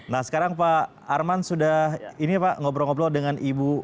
nah sekarang pak arman sudah ngobrol ngobrol dengan ibu